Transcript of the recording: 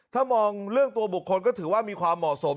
ถ้ามองเรื่องตัวบุคคลก็ถือว่ามีความเหมาะสม